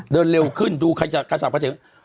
เดินเร็วขึ้นดูใครจะกระสับกระเจก